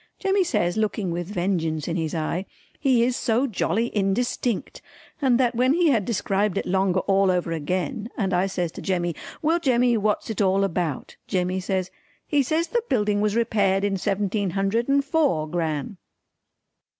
Jemmy says looking with vengeance in his eye "He is so jolly indistinct!" and that when he had described it longer all over again and I says to Jemmy "Well Jemmy what's it all about?" Jemmy says "He says the building was repaired in seventeen hundred and four, Gran."